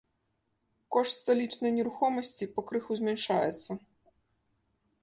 Кошт сталічнай нерухомасці пакрыху змяншаецца.